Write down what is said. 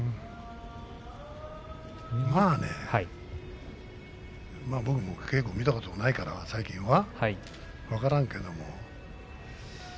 まあ僕も稽古を見たことがないから最近は分からないけども。